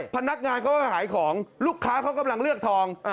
พนักงานเขาก็ขายของลูกค้าเขากำลังเลือกทอง